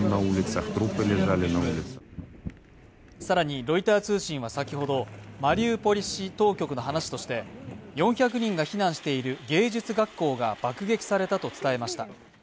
更にロイター通信は先ほど、マリウポリ市当局の話として４００人が避難している芸術学校が爆撃されたと伝えました。